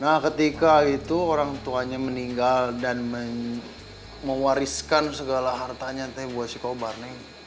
hai nah ketika itu orang tuanya meninggal dan mewariskan segala hartanya teh buah si kobar neng